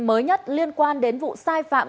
mới nhất liên quan đến vụ sai phạm